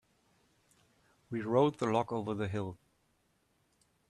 We rolled the log over the hill.